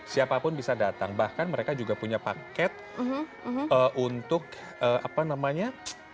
siapapun bisa datang bahkan mereka juga punya paket untuk apa namanya